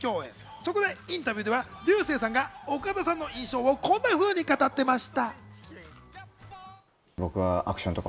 そこでインタビューでは竜星さんが岡田さんの印象をこんなふうに語ってくれました。